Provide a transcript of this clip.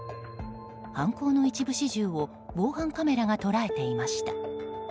犯行の一部始終を防犯カメラが捉えていました。